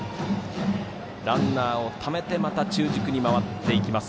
ランナーをためてまた中軸に回っていきます。